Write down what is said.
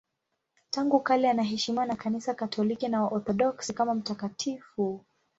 Tangu kale anaheshimiwa na Kanisa Katoliki na Waorthodoksi kama mtakatifu.